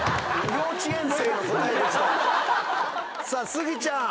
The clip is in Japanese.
スギちゃん。